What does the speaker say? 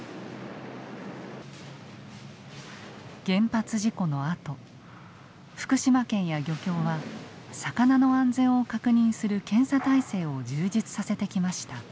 原発事故のあと福島県や漁協は魚の安全を確認する検査体制を充実させてきました。